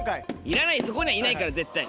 いらないそこにはいないから絶対。